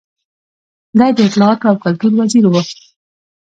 دی د اطلاعاتو او کلتور وزیر و.